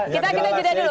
kita juda dulu